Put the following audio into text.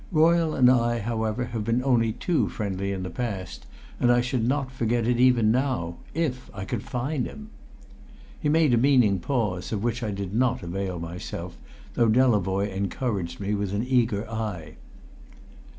Royle and I, however, have been only too friendly in the past, and I should not forget it even now if I could find him." He made a meaning pause, of which I did not avail myself, though Delavoye encouraged me with an eager eye.